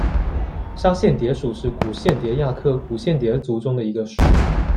沙蚬蝶属是古蚬蝶亚科古蚬蝶族中的一个属。